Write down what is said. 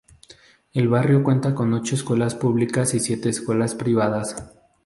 El barrio cuenta con ocho escuelas públicas y siete escuelas privadas.